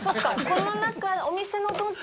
この中。